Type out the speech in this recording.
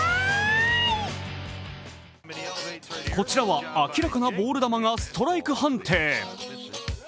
こちらは明らかなボール球がストライク判定。